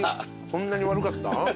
そんなに悪かった？